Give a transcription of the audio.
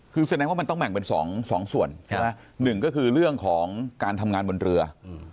คือแสดงว่ามันต้องแบ่งเป็น๒ส่วนใช่ไหมหนึ่งก็คือเรื่องของการทำงานบนเรือ